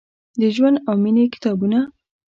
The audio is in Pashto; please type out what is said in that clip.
د ژوند او میینې کتابونه ،